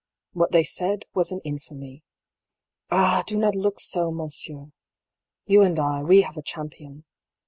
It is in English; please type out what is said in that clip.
What they said, was an in famy. Ah ! do not look so, monsieur. You and I, we have a champion.